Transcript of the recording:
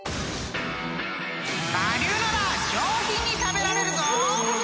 ［我流なら上品に食べられるぞ！］